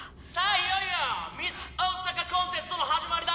いよいよミス桜咲コンテストの始まりだ！